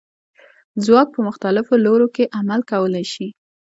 ځواک په مختلفو لورو کې عمل کولی شي.